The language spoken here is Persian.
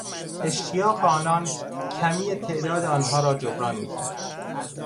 اشتیاق آنان کمی تعداد آنها را جبران میکرد.